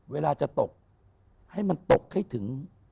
เวลาจะตกให้มันตกให้ถึง